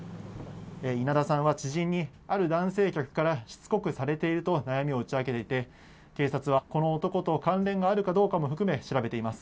稲田さんは知人に、ある男性客からしつこくされていると悩みを打ち明けていて、警察は、この男と関連があるかどうかも含め、調べています。